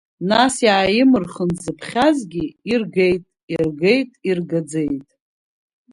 Нас иааимырхын дзыԥхьазгьы, иргеит, иргеит, иргаӡеит.